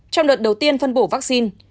trong đợt đầu tiên phân bổ vaccine